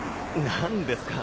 何ですか？